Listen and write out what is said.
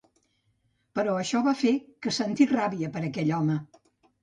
Però això va fer que sentís ràbia per aquell home.